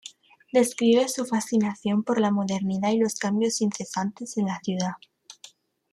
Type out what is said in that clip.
Describe su fascinación por la modernidad y los cambios incesantes en la ciudad.